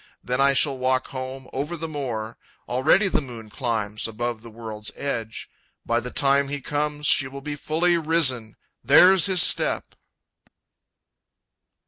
Then I shall walk home Over the moor. Already the moon climbs Above the world's edge. By the time he comes She will be fully risen. There's his step!